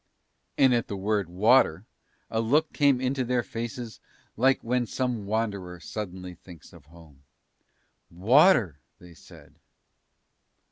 And at the word water a look came into their faces like when some wanderer suddenly thinks of home. "Water!" they said.